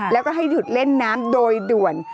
แล้วก็ให้หยุดเล่นน้ำโดยด่วน